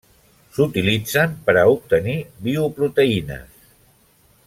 S'utilitzen per a obtenir bioproteïnes.